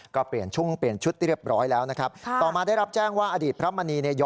ก็เปลี่ยนชุ่งเปลี่ยนชุดเรียบร้อยแล้วนะครับต่อมาได้รับแจ้งว่าอดีตพระมณีเนี่ย